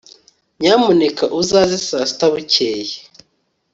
nyamuneka uzaze saa sita bukeye